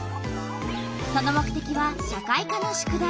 その目てきは社会科の宿題。